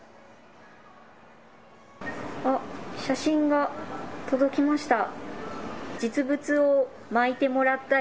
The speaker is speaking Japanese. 写真が届きました。